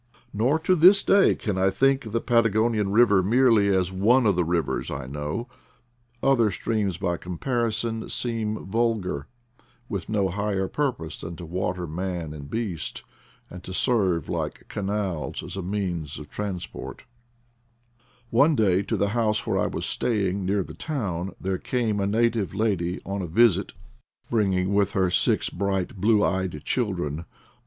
Nor to this day can I think of the Patagonian ASPECTS OF THE VALLEY 45 river merely as one of the rivers I know. Other streams, by comparison, seem vulgar, with no higher purpose than to water man and beast, and to serve, like canals, as a means of transport One day, to the house where I was staying near the town, there came a native lady on a visit, bringing with her six bright blue eyed children.